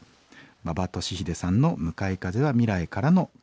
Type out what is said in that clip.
馬場俊英さんの『向かい風は未来からの風』。